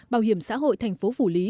bảo hiểm xã hội thành phố phủ lý